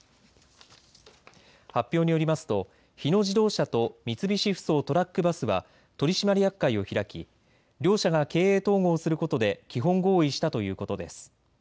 発表によりますと日野自動車と三菱ふそうトラック・バスは取締役会を開き両社が経営統合することで基本合意したということです。